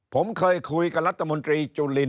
ผมเคยคุยกับรัฐมนตรีจุลิน